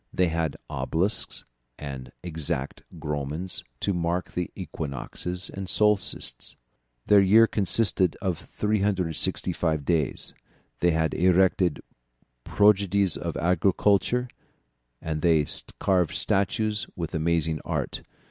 They had obelisks and exact gnomons to mark the equinoxes and solstices. Their year consisted of 365 days. They had erected prodigies of architecture, and they carved statues with amazing art.